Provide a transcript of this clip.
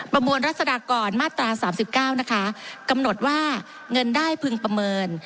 ประมวลรัศดากรมาตรา๓๙นะคะกำหนดว่าเงินได้พึงประเมิน